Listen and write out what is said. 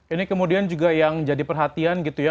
ini kemudian juga yang jadi perhatian gitu ya